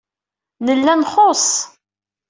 Nella nxuṣṣ.